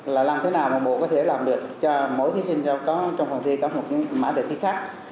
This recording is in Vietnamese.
là làm thế nào mà bộ có thể làm được cho mỗi thí sinh có trong phòng thi có một cái mã đề thi khác